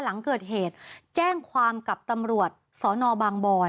หลังเกิดเหตุแจ้งความกับตำรวจสนบางบอน